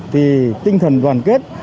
thì tinh thần đoàn kết